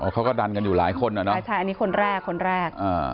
เขาก็ดันกันอยู่หลายคนใช่อันนี้คนแรก